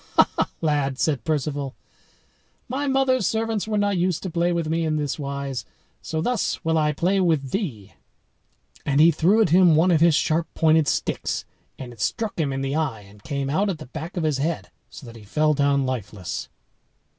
"Ha, ha, lad!" said Perceval, "my mother's servants were not used to play with me in this wise; so thus will I play with thee." And he threw at him one of his sharp pointed sticks, and it struck him in the eye, and came out at the back of his head, so that he fell down lifeless.